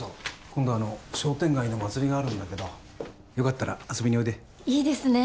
今度あの商店街の祭りがあるんだけどよかったら遊びにおいでいいですね